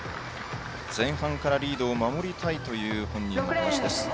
前半からリードを守りたいという話です。